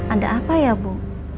ada apa ya bu